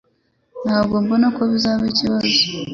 Ntabwo mbona ko bizaba ikibazo.